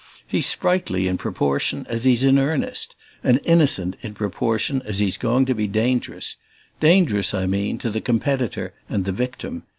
He's sprightly in proportion as he's in earnest, and innocent in proportion as he's going to be dangerous; dangerous, I mean, to the competitor and the victim.